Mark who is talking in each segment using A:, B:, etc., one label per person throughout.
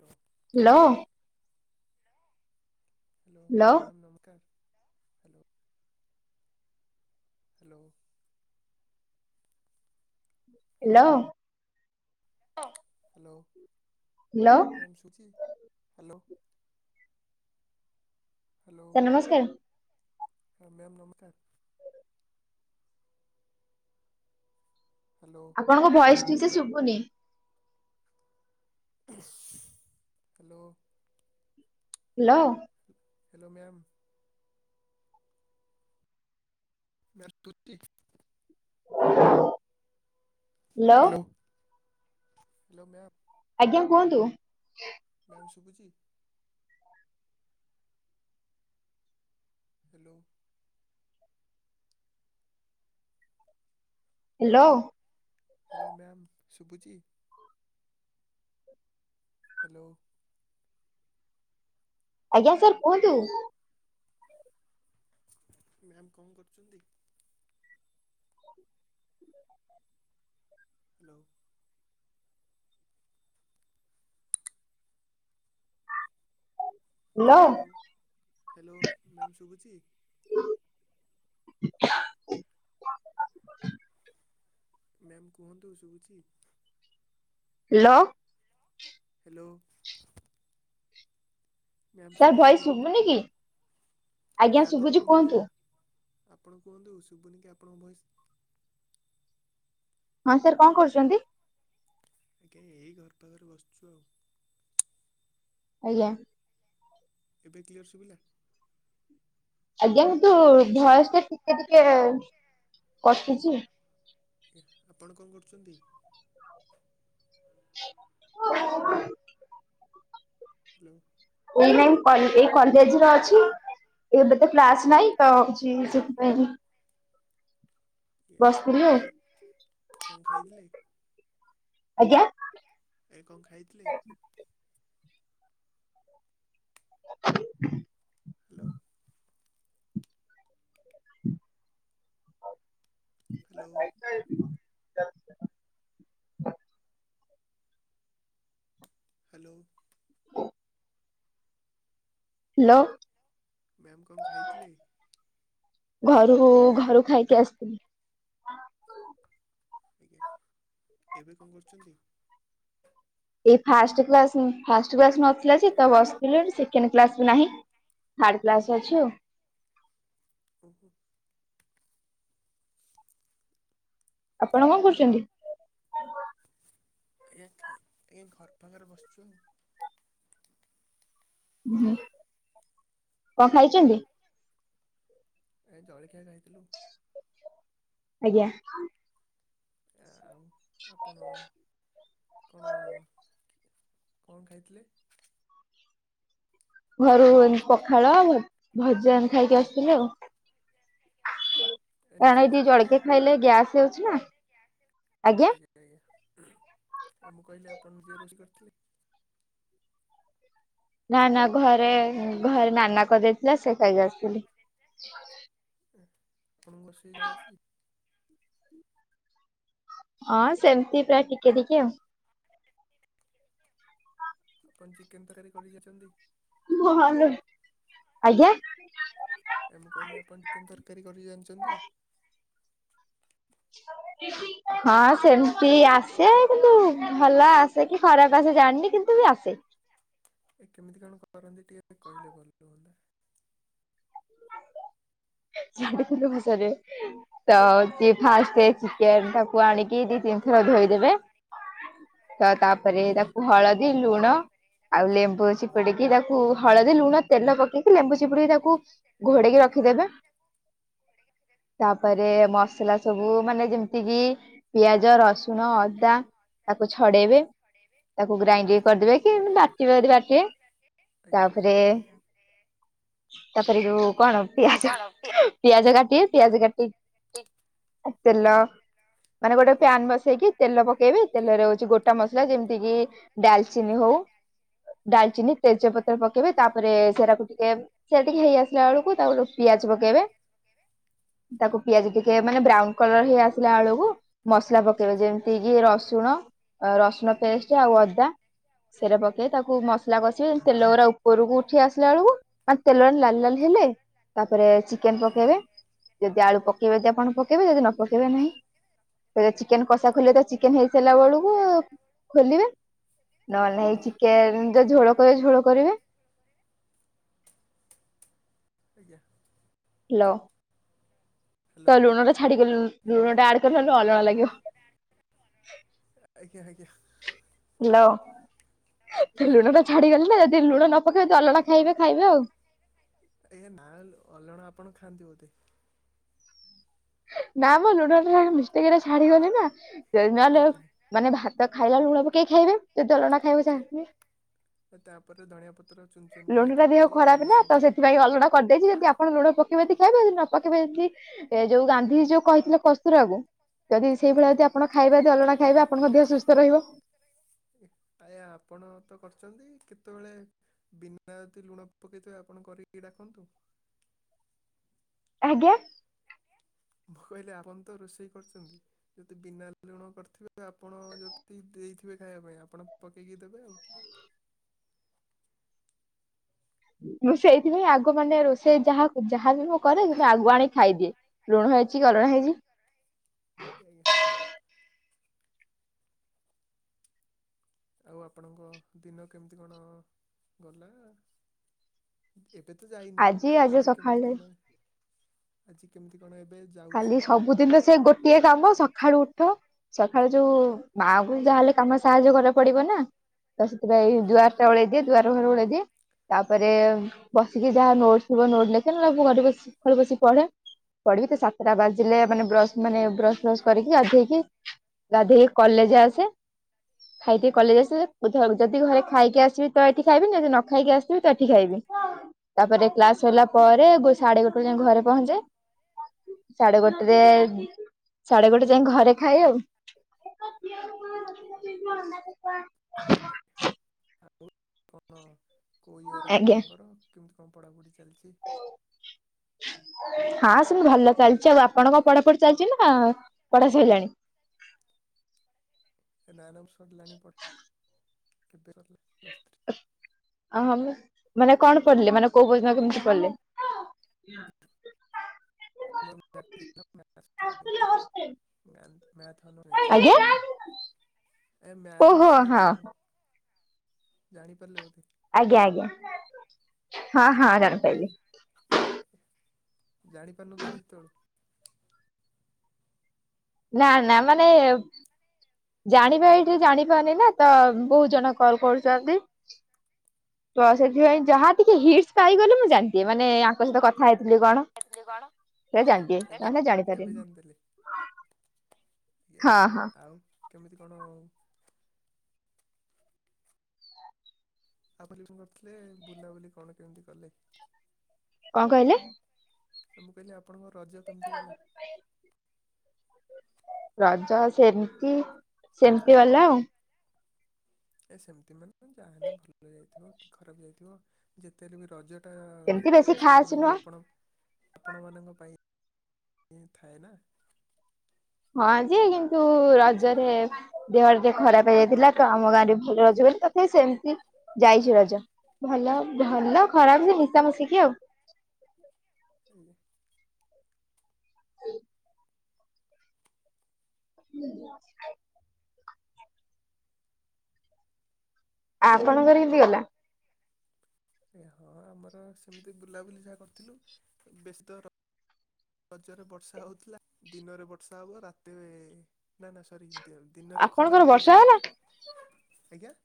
A: ହଁ
B: hello
A: hello ଆଜ୍ଞା ma'am ନମସ୍କାର। Hello hello. Hello
B: hello
A: hello.
B: Hello.
A: Ma'am ସୁବୁଚି ହାଲୋ।
B: ସାର୍ ନମସ୍କାର।
A: ହଁ ମ୍ୟାମ୍ ନମସ୍କାର। ହାଲୋ।
B: ଆପଣଙ୍କ ଭଏସ ଠିକ୍ ସେ ଶୁଭୁନି।
A: Hello.
B: Hello.
A: Hello ma'am. [unintelligible] Hello hello ma'am.
B: ଆଜ୍ଞା କୁହନ୍ତୁ।
A: ମ୍ୟାମ୍ ଶୁଭୁଚି। ହାଲୋ।
B: ହାଲୋ।
A: ହ୍ୟାଲୋ ମ୍ୟାମ୍ ଶୁଭୁଚି। ହାଲୋ।
B: ଆଜ୍ଞା ସାର୍ କୁହନ୍ତୁ।
A: ମ୍ୟାମ୍ କଣ କରୁଛନ୍ତି? ହ୍ୟାଲୋ। ହ୍ୟାଲୋ ହ୍ୟାଲୋ ମ୍ୟାମ୍ ଶୁଗୁଚି। ମ୍ୟାମ କୁହନ୍ତୁ ଶୁବୁଚି।
B: ହାଲୋ।
A: ହ୍ୟାଲୋ। ମ୍ୟାମ
B: ସାର୍
A: ଶୁଭୁଚି
B: ଭଏସ ଶୁଭୁନି କି? ଆଜ୍ଞା
A: ନାଇଁ ଆପଣ
B: ଶୁଭୁଛି
A: କୁହନ୍ତୁ। ଆପଣ କୁହନ୍ତୁ ଶୁବୁନି କି ଆପଣଙ୍କ ଭଏସ।
B: ହଁ ସାର୍ କଣ କରୁଛନ୍ତି।
A: ଆଜ୍ଞା ଏଇ ଘର ପାଖରେ ବସିଛୁ ଆଉ।
B: ଆଜ୍ଞା।
A: ଏବେ କ୍ଲିୟର ଶୁଭିଲା?
B: ଆଜ୍ଞା କିନ୍ତୁ ଭଏସ ଟା ଟିକେ ଟିକେ କଟୁଛି।
A: ଆଜ୍ଞା ଆପଣ କଣ କରୁଛନ୍ତି?
B: [unintelligible]
A: ହାଲୋ।
B: ଏଇ ନାଇଁ କ ଏଇ କଲେଜ ର ଅଛି। ଏବେ ତ କ୍ଲାସ ନାଇଁ ତ କିଛି ସେଥିପାଇଁ।
A: ଆଞା ଆଜ୍ଞା
B: ବସିଥିଲି ଆଉ
A: କଣ କଣ ଖାଇଥିଲେ।
B: ଆଜ୍ଞା।
A: ନାଇଁ କଁ ଖାଇଥିଲେ। Hello. Hello.
B: [unintelligible]
A: Hello.
B: Hello.
A: Ma'am କଣ ଖାଇଥିଲେ?
B: ଘରୁ, ଘରୁ ଖାଇକି ଆସିଥିଲି।
A: ଆଜ୍ଞା, ଏବେ କଣ କରୁଛନ୍ତି?
B: ଏ ଫାଷ୍ଟ୍ କ୍ଲାସ୍ ଫାଷ୍ଟ୍ କ୍ଲାସ୍ ନଥିଲା ଯେ ତ ବସିଥିଲି ଏଇଠି ସେକେଣ୍ଡ କ୍ଲାସ୍ ବି ନାହିଁ। ଥାର୍ଡ କ୍ଲାସ୍ ଅଛି ଆଉ।
A: ଓହୋ।
B: ଆପଣ କଣ କରୁଛନ୍ତି?
A: ଆଜ୍ଞା ଆଜ୍ଞା, ଘର ପାଖରେ ବସିଛୁ ଆଉ।
B: ହୁଁ, କଣ ଖାଇଛନ୍ତି?
A: ଏଇ ଜଳଖିଆ ଖାଇଥିଲୁ।
B: ଆଜ୍ଞା।
A: ଆ ଆଉ ଆପଣ କଣ କଣ ଖାଇଥିଲେ?
B: ଘରୁ ପଖାଳ ଭଜା ଖାଇକି ଆସିଥିଲି ଆଉ।
A: [unintelligible] ଖାଇକି ଆସିଥିଲେ ଆଉ
B: କାରଣ ଏ ଟିକେ ଜଳଖିଆ ଖାଇଲେ ଗ୍ୟାସ୍ ହେଇଯାଉଛି ନା ଆଜ୍ଞା।
A: ଆଜ୍ଞା ଆଜ୍ଞା, ଏ ମୁଁ କହିଲି ଆପଣ ଜେରକ୍ସ କରିଥିଲେ?
B: ନା ନା ଘରେ ଘରେ ନାନା କରିଦେଇଥିଲା ସେ ଖାଇକି ଆସିଥିଲି।
A: ଆପଣଙ୍କୁ ରୋଷେଇ ଜଣା ଅଛି?
B: ହଁ ସେମିତି ପ୍ରାୟ ଟିକେ ଟିକେ ଆଉ।
A: ଆପଣ ଚିକେନ୍ ତରକାରୀ କରି ଜାଣିଛନ୍ତି?
B: [unintelligible] ଆଜ୍ଞା
A: ଆ ମୁଁ କହିଲି ଆପଣ ଚିକେନ୍ ତରକାରୀ କରିକି ଜାଣିଛନ୍ତି?
B: [unintelligible] ହଁ ସେମିତି ଆସେ କିନ୍ତୁ ଭଲ ଆସେ କି ଖରାପ ଆସେ ଜାଣିନି କିନ୍ତୁ ବି ଆସେ।
A: ଏ କେମିତି କଣ କରନ୍ତି ଟିକେ କହିଲେ ଭଲ ହୁଅନ୍ତା।
B: [unintelligible] ତ ହେଉଛି ଫାଷ୍ଟ ଚିକେନ୍ ଟାକୁ କୁ ଆଣିକି ଦି ତିନିଥର ଧୋଇଦେବେ ତ ତା ତାପରେ
A: ଆଜ୍ଞା
B: ତାକୁ ହଳଦୀ, ଲୁଣ ଆଉ ଲେମ୍ବୁ ଅଛି ଚିପୁଡିକି ତାକୁ ହଳଦୀ, ଲୁଣ, ତେଲ ପକେଇକି ଲେମ୍ବୁ ଚିପୁଡିକି ତାକୁ ଘୋଡେଇକି ରଖିଦେବେ। ତାପରେ
A: ଆଜ୍ଞା
B: ମସଲା ସବୁ ମାନେ ଯେମିତି କିି ପିଆଜ, ରସୁଣ, ଅଦା ତାକୁ ଛଡେଇବେ ତାକୁ ଗ୍ରାଇଣ୍ଡିକି କରିଦେବେ କି ବାଟିବେ ଯଦି ବାଟିବେ
A: ଆଜ୍ଞା।
B: ତାପରେ, ତାପରେ ଯୋଉ କଣ ପିଆଜ
A: ଆଜ୍ଞା।
B: ପିଆଜ କାଟିିବେ ପିଆଜ କାଟି, ତେଲ ମାନେ ଗୋଟେ ପ୍ୟାନ ବସେଇକି ତେଲ ପକେଇବେ ତେଲରେ ହଉଛି ଗୋଟା ମସଲା ଯେମିତିକିି ଡାଲଚିନି ହଉ ଡାଲଚିନି ତେଜପତ୍ର ପକେଇବେ ତାପରେ ସେରାକୁ ଟିକେ ସେରା ଟିକେ ହେଇ ଆସିଲା ବେଳକୁ ତା ପିଆ ଜ ପକେଇବେ, ତାକୁ ପିଆଜ ଟିକେ ମାନେ ବ୍ରାଉନ କଲର ହେଇ ଆସି ଆସିଲା ବେଳକୁ ମସଲା ପକେଇବେ ଯେମିତି କିି ରସୁଣ, ରସୁଣ ପେଷ୍ଟ ଆଉ ଅଦା- ସେରା ପକେଇ ତାକୁ ମସଲା କଷିବି ତେଲ ଗୁଡା ଉପରକୁ ଉଠି ଆସିଲା ବେଳକୁ ମା ତେଲ ଲାଲ୍ ଲାଲ୍ ହେଲେ ତାପରେ ଚିକେନ୍
A: ଆଜ୍ଞା। ଆଜ୍ଞା
B: ପକେଇବେ ଯଦି ଆଳୁ ପକେଇବେ ଯଦି ଆପଣ ପକେଇବେ ଯଦି ନ ପକେଇବେ ନାହିଁ। ଏ ଚିକେନ କଷା ଖୋଲିବା ପାଇ ଚିକେନ ହେଇ ସାରିଲା ବେଳକୁ ଖୋଲିବେ। ନହେଲେ ନାଇ ଚିକେନ ଯେ ଝୋଳ କରିବେ ଝୋଳ କରିବେ।
A: ଆଜ୍ଞା।
B: ହାଲୋ
A: ହ୍ୟାଲୋ
B: ତ ଲୁଣ ଟା ଛାଡି ଗଲି ଲୁଣ ଟା ଆଡ କରିବାନ୍ତୁ ଅଲଣା ଲାଗିବ।
A: ତ ଆଜ୍ଞା ଆଜ୍ଞା।
B: ହ୍ଯାଲୋ
A: ହ୍ୟାଲୋ
B: ଲୁଣ ଟା ଛାଡିଗଲି ନା ଯଦି ଲୁଣ ନ ପକେଇବେ ଅଲଣା ଖାଇବେ ଖାଇବେ ଆଉ।
A: ଆଜ୍ଞା ନାଲୋ ଅଲଣା ଆପଣ ଖାଆନ୍ତି ବୋଧେ?
B: ନା ମୁଁ ଲୁଣ ମୁଁ ମିସ୍ଟେକରେ ଛାଡିଗଲି ନା ନହେଲେ
A: ଆଜ୍ଞା। ଆଜ୍ଞା।
B: ମାନେ ଭାତ ତ ଖାଇଲା ବେଳେ ଲୁଣ ପକେଇ ଖାଇବେ ଯଦି ଅଲଣା ଖାଇବେ ସେମିତି
A: ତାପରେ ଧଣିଆଁ ପତ୍ର ଚୁନ ଚୁନ କରି କାଟିି ଗାର୍ନିସିଂ କରିଦେବେ।
B: କରିଦେଇକି ଯଦି ଆପଣ ଲୁଣ ପକେଇବେ ଯଦି ଖାଇବେ ନ ପକେଇବେ ଯଦି ଏଜ ଯୋଉ ଗାନ୍ଧି ଯୋଉ କହିଥିଲେ କସ୍ତୁରି ବାବୁ ଯଦି
A: ଆଜ୍ଞା।
B: ସେଇଭଳିଆ ଯଦି ଆପ ଆପଣ ଖାଇବା ଯଦି ଅଲଣା ଖାଇବେ ଆପଣଙ୍କ ଦେହ ସୁସ୍ଥ ରହିବ।
A: ଆଜ୍ଞା ଆପଣ ତ କରିଛନ୍ତି କେତେବେଳେ ବିନା ଯଦି ଲୁଣ ପକାଇଥିବେ ଆପଣ କରିକି ଡାକନ୍ତୁ।
B: ଆଜ୍ଞା।
A: ମୁଁ କହିଲି ଆପଣ ତ ରୋଷେଇ କରୁଛନ୍ତି। ଯଦି ବିନା ଲୁଣ କରିଥିବେ ଆପଣ ଯଦି ଦେଇଥିବେ ଖାଇବା ପାଇଁ ଆପଣ ପକେଇକି ଦେବେ ଆଉ
B: ମୁଁ ସେଇଥିପାଇଁ ଆଗ ମାନେ ରୋଷେଇ ଯାହାକୁ ଯାହାବି ମୁଁ କରେ ଯେହେତୁ ଆଗୁଆ ଆଣି ଖାଇଦିଏ ଲୁଣ ହେଇଛି ଅଲଣା ହେଇଛି।
A: ଆଜ୍ଞା ଆଜ୍ଞା। ଆଉ ଆପଣଙ୍କ ଦିନ କେମିତି କଣ ଗଲା? ଏବେ ତ ଯାଇନି
B: ଆଜି
A: ତୋ
B: ଆଜି
A: କାଲି କେମିତି
B: ସକାଳେ
A: କଣ ଆଜି କେମିତି କଣ ଏବେ ଯା
B: କାଲି ସବୁଦିନେ ସେ ଗୋଟିଏ କାମ ସକାଳୁ ଉଠ। ସକାଳୁ ଯୋଉ ମାଙ୍କୁ ଯାହାହେଲେ କାମ ସାହାଯ୍ୟ କରି ବାକୁ ପଡିବ ନା। ତା ସହିତଯାଇ
A: ଆଜ୍ଞା
B: ଦ୍ୱାରଟା ଓଳେଇ ଦିଏ ଦ୍ୱାର ଘର ଓଳେଇ ଦିଏ। ତାପରେ ବସିକି ଯାହା ନୋଟସ ଥିବ ନୋଟ ଲେଖେ ନ ହେଲେ ମୁଁ ଘରେ ବସି ସକାଳୁ ବସି ପଢେ। ପଢିକି ତ ସାତଟା ବାଜିଲେ ମାନେ ବ୍ର ମାନେ ବ୍ରସ୍ ଫ୍ରସ୍ କରିକି ଗାଧେଇକି ଗାଧେଇ କଲେଜ ଆସେ ଖାଇକି କଲେଜ ଆସିଲେ [inaudible] ଯଦି ଘରେ ଖାଇକି ଆସିବି ତ ଏଠି ଖାଇବିନି ଯଦି ନଖାଇକି ଆସିବି ତି ତଠି ଖାଇବି ତାପରେ କ୍ଲାସ ସରିଲା ପରେ ଗୋ ସାଢେ ଗୋଟେରେ ଯାଇ ଘରେ ପହଞ୍ଚେ ସାଢେଗୋଟେ ରେ ସାଢେଗୋଟେ ଯାଇଁ ଘରେ ଖାଏ ଆଉ। [unintelligible]
A: [inaudible] ଆଉ କଣ କୋଉ ୟିଅର
B: ଆଜ୍ଞା।
A: ଆପଣଙ୍କର? କେମିତି କଣ ପଢାପଢି ଚାଲିଛି?
B: ହଁ ସେମିତି ଭଲଚାଲିଛି ଆଉ ଆପଣଙ୍କ ପଢାପଢି ଚାଲିଛି ନା ପଢା ସଇଲାଣି?
A: ସେ ନା ନା ବି ସରିଲାଣି ପଢା ଏବେ ସରିଲା ପ୍ଲସଥ୍ରୀ।
B: ଅ ମାନେ କଣ ପଢିଲେ ମାନେ କୋଉ [inaudible] କେମିତି ପଢିଲେ?
A: [unintelligible] ମ୍ଯାନ ମ୍ଯାଥ ଅନର ନେଇଥିଲି।
B: ଆଜ୍ଞା।
A: ଏ
B: ଓହୋ
A: ମ୍ଯାଥଭର୍ସ
B: ହଁ
A: ନେଇଥିଲି ମୁଁ ଜାଣିପାରିଲେ ବୋଧେ।
B: ଆଜ୍ଞା ଆଜ୍ଞା ହଁ ହଁ ଜାଣି ପାଇଲି।
A: ଏ ଜାଣିପାରୁନଥିଲେ ସେତେବେଳୁ
B: ନା ନା ମାନେ ଜାଣିପାଇଲି ଏଠି ଜାଣିପାନି ନା ତ ବହୁତ ଜଣ କଲ କରୁଛନ୍ତି ତ ସେଥିପାଇଁ ଯାହା ଟିକେ ହିଟ୍ସ ପାଇଗଲେ ମୁଁ ଜାଣିଦିଏ ମାନେ ଆଙ୍କ ସହିତ କଥା ହେଇଥିଲି କଣ। ସେ ଜାଣିଦିଏ
A: ଏ- ଏବେ
B: ନାହଲେ
A: ଏବେ
B: ଜାଣିପାରେନି।
A: ୟେ
B: ହଁ ହଁ
A: ଆଉ କେମିତି କଣ? ଆଭଲିସନ କରିଥିଲେ ବୁଲାବୁଲି କଣ କେମିତି କଲେ [unintelligible]
B: କଣ କହିଲେ?
A: ମୁଁ କହିଲି ଆପଣଙ୍କ ରଜ କେମିତି ଗଲା?
B: [inaudible] [inaudible] ରଜ ସେମିତି ସେମିତି ଗଲା ଆଉ।
A: ଏ ସେମିତି ମାନେ ଯାହାହଲେ ଭଲ ଯାଇଥିବ କି ଖରାପ ଯାଇଥିବ ଯେତେହେଲେ ବି ରଜ
B: ସେମିତି ବେଶୀ
A: ଅ
B: ଖାସ୍ ନୁହଁ।
A: ଝିଅମାନଙ୍କୁ ଆପଣ ଆପଣମାନଙ୍କ ପାଇଁ ଏ ଥାଏନା।
B: ହଁ ଯେ କିନ୍ତୁ ରଜରେ ଦେହ ଟିକେ ଖରାପ ହେଇଯାଇଥିଲା ତ ଆମ ଗାଁରେ ଭଲ ରଜ ବୋଲି ତଥାପି ସେମିତି ଯାଇଛି ରଜ। ଭଲ ଭଲ ଖରାପ ସେ ମିଶାମିଶିକି ଆଉ।
A: [unintelligible]
B: [inaudible] ହୁଁ। [unintelligible] ଆପଣଙ୍କର କେମିତି ଗଲା?
A: ଏ ହଁ ଆମର ସେମିତି ବୁଲାବୁଲି ଯାହା କରିଥିଲୁ ବେଶୀ ତ ରଜରେ ବର୍ଷା ହଉଥିଲା ଦିନରେ ବର୍ଷା ହବ ରାତିରେ ନା ନା ସରି ଦିନରେ ଖରା
B: ଆପଣଙ୍କର
A: ହୁଏ
B: ବର୍ଷା ହେଲା?
A: ଜୋରରେ ଆଜ୍ଞା [unintelligible]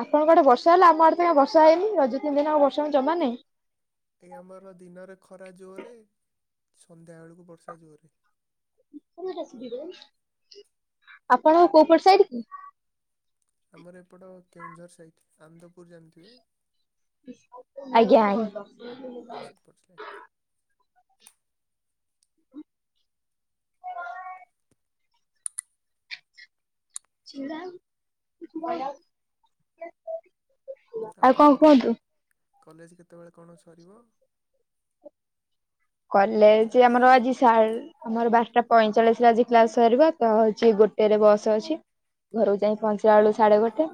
B: ଆପଣଙ୍କ ଆଡେ ବର୍ଷା ହେଲା ଆମଆଡେ କାଇଁ ବର୍ଷା ହେଇନି ରଜ ତିିନିଦିନି ଆଉ ବର୍ଷା ଜମାନାଇ।
A: ଏଇ ଆମର ଦିନରେ ଖରା ଜୋରରେ ସନ୍ଧ୍ୟା ବେଳକୁ ବର୍ଷା ଜୋରରେ।
B: [unintelligible] ଆପଣଙ୍କ କୋଉପଟ ସାଇଡ କି?
A: ଆମର ଏପଟ କେଉଁଝର ସାଇଟ୍ ଆନ୍ଦପୁର ଜାଣିଥିବେ।
B: ଆଜ୍ଞା ଭଲ।
A: ପଚିଲାକି।
B: ସିଏ ଯାଆନ୍ତୁ, ତୁ କାଇଁ ଯାଉଛୁ।
A: ତ ଆପଣଙ୍କର କଲେଜ କେତେବେଳେ କଣ ସରିବ?
B: କଲେଜ
A: କ୍ଲାସ୍
B: ଆମର ଆଜି ସାର୍ ଆମର ବାରଟା ପଇଁଚାଳିଶ ରେ ଆଜି କ୍ଲାସ୍ ସରିବ ଅଛି ଗୋଟେରେ ବସ୍ ଅଛି। ଘରକୁ ଯାଇ ପହଞ୍ଚିଲାବେଳୁ ସଢେଗୋଟେ।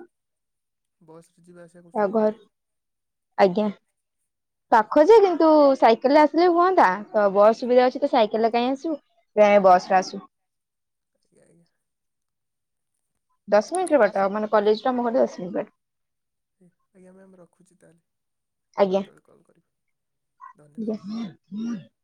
A: ବସ୍ ରେ ଯିବା ଆସିବା କରୁଛନ୍ତି ବୋଧେ।
B: ଆଜ୍ଞା ପାଖଯେ କିନ୍ତୁ ସାଇକେଲରେ ଆସିଲେ ହୁଅନ ହୁଅନ୍ତା ତ ବସ୍ ସୁବିଧା ଅଛି ତ ସାଇକେଲରେ କାହିଁ ଆସିବୁ ସେଥିପାଇଁ ବସରେ ଆସୁ।
A: ଆଜ୍ଞା ଆଜ୍ଞା।
B: ଦଶ ମିନିଟର ବାଟ ଆ ମାନେ କଲେଜ ରୁ ଆମ ଘର ଦଶ ମିନିଟ୍ ର ବାଟ।
A: ହୁଁ, ଆଜ୍ଞା ମ୍ୟାମ୍ ରଖୁଛି ତା ହେଲେ ଆଉ
B: ଆଜ୍ଞା
A: କେତେବେଳେ କଲ କରିବି
B: ଆଜ୍ଞା।
A: ଧନ୍ୟବାଦ୍।
B: [inaudible]